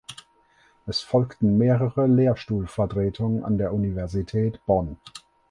Es folgten mehrere Lehrstuhlvertretungen an der Universität Bonn.